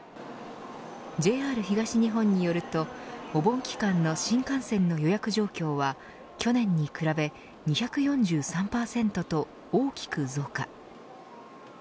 ＪＲ東日本によるとお盆期間の新幹線の予約状況は去年に比べ２４３％と大きく増加。